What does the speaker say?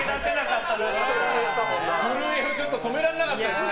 震えを止められなかったですね。